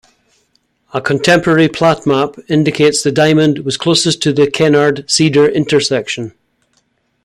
A contemporary plat map indicates the diamond was closest to the Kennard-Cedar intersection.